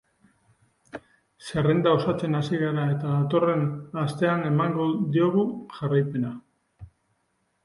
Zerrenda osatzen hasi gara, eta datorren astean emango diogu jarraipena.